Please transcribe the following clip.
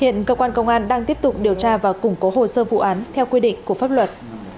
hiện cơ quan công an đang tiếp tục điều tra và củng cố hồ sơ vụ án theo quy định của pháp luật